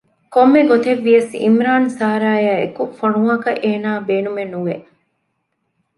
ކޮންމެ ގޮތެއްވިޔަސް ޢިމްރާން ސަރާއާއެކު ފޮނުވާކަށް އޭނާ ބޭނުމެއް ނުވެ